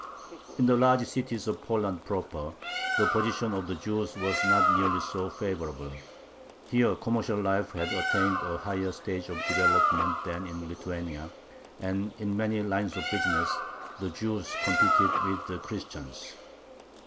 In the large cities of Poland proper the position of the Jews was not nearly so favorable. Here commercial life had attained a higher stage of development than in Lithuania, and in many lines of business the Jews competed with the Christians.